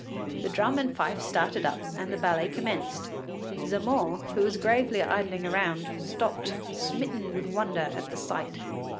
The drum and fife started up and the ballet commenced. Zamore, who was gravely idling around, stopped smitten with wonder at the sight.